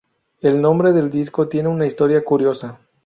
El nombre del disco tiene una historia curiosa.